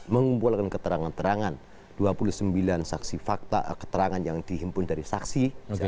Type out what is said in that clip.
mengumpulkan keterangan terangan dua puluh sembilan saksi fakta keterangan yang dihimpun dari saksi